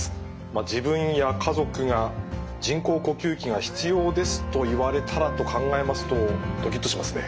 自分や家族が人工呼吸器が必要ですと言われたらと考えますとドキッとしますね。